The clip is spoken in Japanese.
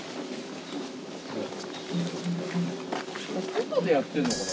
外でやってんのかな。